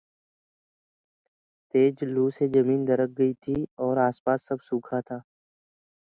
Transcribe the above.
Certain structural motifs recur.